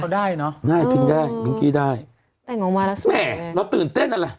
ได้ทิ้งได้มิ้งกี้ได้แด่งออกมาแล้วสูงเลยแหมเราตื่นเต้นนั่นแหละ